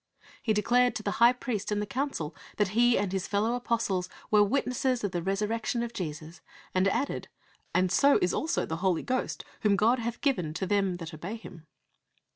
He declared to the High Priest and Council that he and his fellow Apostles were witnesses of the resurrection of Jesus: and added, "And so is also the Holy Ghost, whom God hath given to them that obey Him."